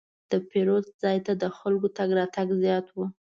د پیرود ځای ته د خلکو تګ راتګ زیات و.